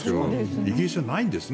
イギリスはないんですね